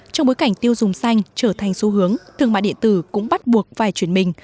trong bối cảnh tiêu dùng xanh trở thành xu hướng thương mại điện tử cũng bắt buộc phải chuyển mình